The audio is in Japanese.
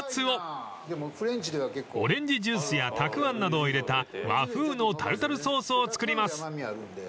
［オレンジジュースやたくあんなどを入れた和風のタルタルソースを作ります］